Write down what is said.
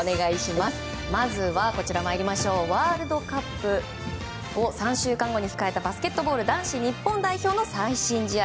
まずはワールドカップを３週間後に控えたバスケットボール男子日本代表の最新試合。